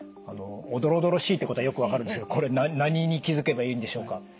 おどろおどろしいっていうことはよく分かるんですけどこれ何に気付けばいいんでしょうか？